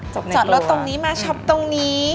จอดรถตรงนี้มาช็อปตรงนี้